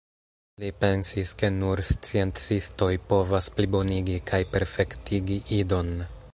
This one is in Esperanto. Li pensis ke nur sciencistoj povas plibonigi kaj perfektigi Idon.